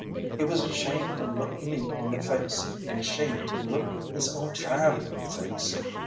He was ashamed to look me in the face, and ashamed to look his own child in the face.